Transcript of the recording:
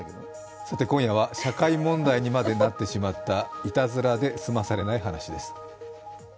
さて、今夜は社会問題にまでなってしまった、いたずらで済まされない話です。